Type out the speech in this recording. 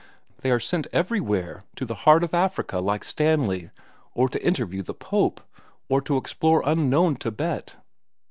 They are sent everywhere, to the heart of Africa, like Stanley, or to interview the Pope, or to explore unknown Thibet."